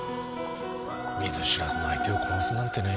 見ず知らずの相手を殺すなんてね。